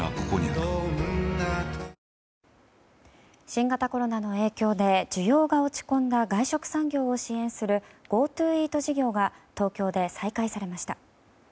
新型コロナの影響で需要が落ち込んだ外食産業を支援するＧｏＴｏイート事業が東京で再開されました。